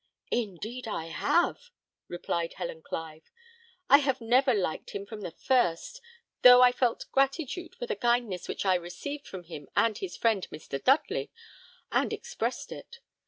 "Indeed I have," replied Helen Clive; "I have never liked him from the first, though I felt gratitude for the kindness which I received from him and his friend Mr. Dudley, and expressed it.